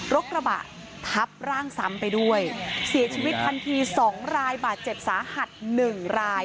กระบะทับร่างซ้ำไปด้วยเสียชีวิตทันที๒รายบาดเจ็บสาหัสหนึ่งราย